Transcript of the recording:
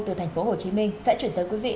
từ thành phố hồ chí minh sẽ chuyển tới quý vị